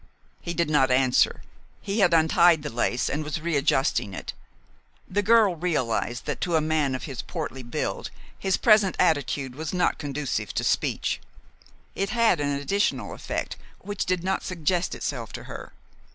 He did not answer. He had untied the lace and was readjusting it. The girl realized that to a man of his portly build his present attitude was not conducive to speech. It had an additional effect which did not suggest itself to her.